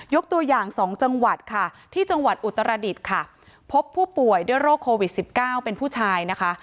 ตัวอย่าง๒จังหวัดค่ะที่จังหวัดอุตรดิษฐ์ค่ะพบผู้ป่วยด้วยโรคโควิด๑๙เป็นผู้ชายนะคะ